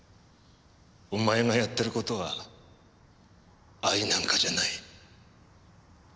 お前がやってる事は愛なんかじゃない。